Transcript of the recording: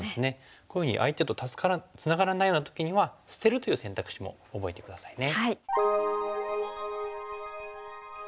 こういうふうに相手とつながらないような時には捨てるという選択肢も覚えて下さいね。